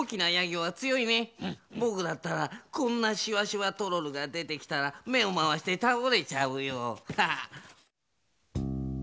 ぼくだったらこんなしわしわトロルがでてきたらめをまわしてたおれちゃうよハハハ。